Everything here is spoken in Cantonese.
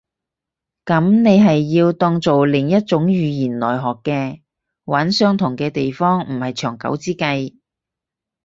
噉你係要當做另一種語言來學嘅。揾相同嘅地方唔係長久之計